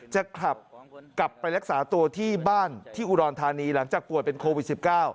จะขับกลับไปรักษาตัวที่บ้านที่อุดรธานีหลังจากป่วยเป็นโควิด๑๙